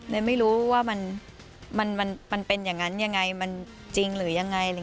ไม่รู้ว่ามันเป็นอย่างนั้นยังไงมันจริงหรือยังไง